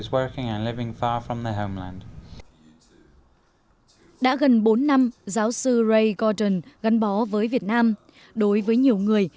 với việt nam đối với nhiều người